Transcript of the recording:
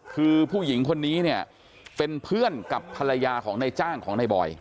คือผู้หญิงคนนี้เนี่ยเป็นเพื่อนกับภรรยาของนายจ้างของในบอย